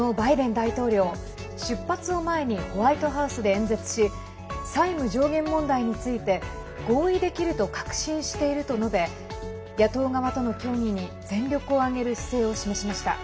大統領出発を前にホワイトハウスで演説し債務上限問題について合意できると確信していると述べ野党側との協議に全力を挙げる姿勢を示しました。